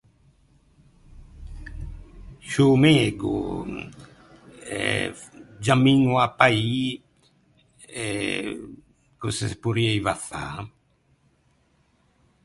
Sciô mego eh giamiño à paî e cöse se porrieiva fâ?